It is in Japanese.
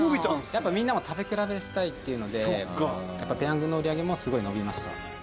やっぱみんなも食べ比べしたいっていうのでペヤングの売り上げもすごい伸びました。